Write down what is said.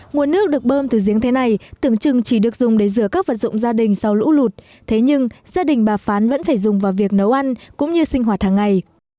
nguồn nước được bơm từ giếng thế này tưởng chừng chỉ được dùng để rửa các vật dụng gia đình sau lũ lụt thế nhưng gia đình bà phán vẫn phải dùng vào việc nấu ăn cũng như sinh hoạt hàng ngày